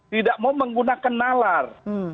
tidak mau menggunakan nalar